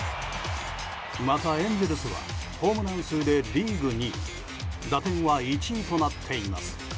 また、エンゼルスはホームラン数でリーグ２位打点は１位となっています。